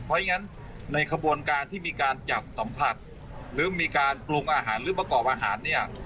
เพราะฉะนั้นในขบวนการที่มีการจับสัมผัสหรือมีการปรุงอาหารหรือประกอบอาหารเนี่ย